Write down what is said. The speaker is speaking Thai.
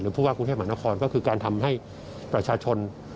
ผู้ว่ากรุงเทพมหานครก็คือการทำให้ประชาชน